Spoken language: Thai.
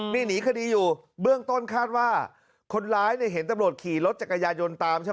นี่หนีคดีอยู่เบื้องต้นคาดว่าคนร้ายเนี่ยเห็นตำรวจขี่รถจักรยายนตามใช่ไหม